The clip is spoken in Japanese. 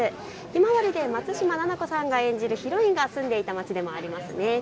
ひまわりで松嶋菜々子さんが演じるヒロインが住んでいた街でもあります。